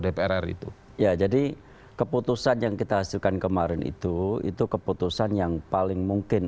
dpr itu ya jadi keputusan yang kita hasilkan kemarin itu itu keputusan yang paling mungkin